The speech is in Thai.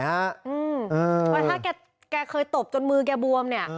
แบบถ้าแกเคยตบจนมือแกบวม